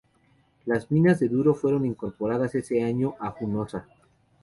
Las minas de Duro fueron incorporadas ese año a Hunosa.